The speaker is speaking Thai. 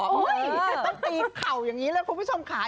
ตีเปร่ามันข่าวอย่างนี้เลยคุณผู้ชมขา